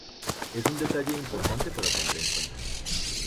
Es un detalle importante para tener en cuenta.